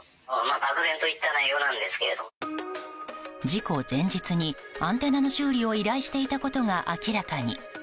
事故前日にアンテナの修理を依頼していたことが明らかに。